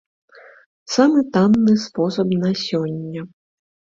Самы танны спосаб на сёння.